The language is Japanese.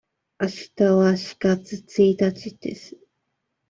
あしたは四月一日です。